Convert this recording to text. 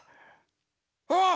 ああ！